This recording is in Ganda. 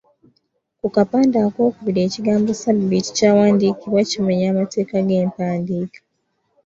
Ku kapande akookubiri, ekigambo ‘sabiiti’ kyawandiikibwa kimenya amateeka g’empandiika.